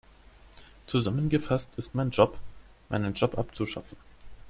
Zusammengefasst ist mein Job, meinen Job abzuschaffen.